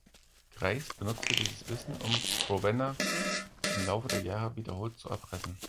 Grace benutzte dieses Wissen, um Rowena im Laufe der Jahre wiederholt zu erpressen.